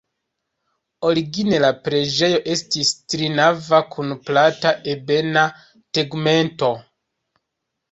Origine la preĝejo estis trinava kun plata, ebena tegmento.